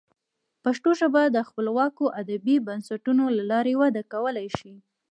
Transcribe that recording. پښتو ژبه د خپلواکو ادبي بنسټونو له لارې وده کولی شي.